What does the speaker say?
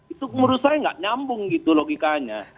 itu menurut saya nggak nyambung gitu logikanya